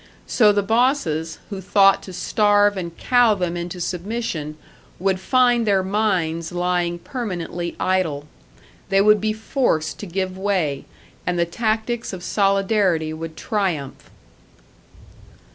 So the bosses, who thought to starve and cow them into submission, would find their mines lying permanently idle. They would be forced to give way, and the tactics of solidarity would triumph.